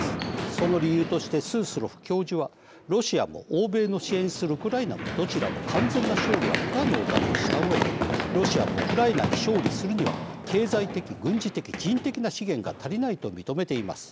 その理由としてスースロフ教授は「ロシアも欧米の支援するウクライナもどちらも完全な勝利は不可能だ」としたうえで「ロシアもウクライナに勝利するには経済的、軍事的、人的な資源が足りない」と認めています。